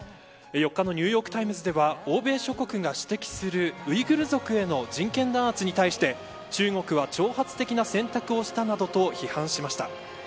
４日のニューヨーク・タイムズでは欧米諸国が指摘するウイグル族の人権弾圧に対して中国は挑発的な選択をしたなどと批判しました。